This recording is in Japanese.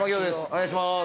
お願いします。